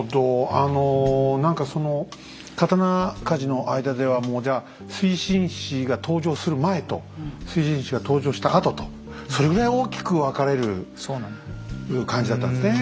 あの何かその刀鍛冶の間ではもうじゃ水心子が登場する前と水心子が登場したあととそれぐらい大きく分かれる感じだったんですね。